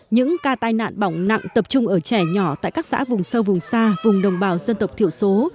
những ca tai nạn bỏng nặng tập trung ở trẻ nhỏ tại các xã vùng sâu vùng xa vùng đồng bào dân tộc thiểu số